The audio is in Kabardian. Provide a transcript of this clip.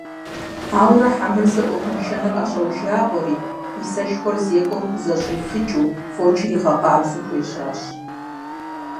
Ауэрэ Хьэмырзэ Ӏуэхуншэныр ӀэщӀэужагъуэри, и сэшхуэр зекӀуэм хузэщӀилъыкӀыу, фочыр игъэкъабзэу хуежьащ.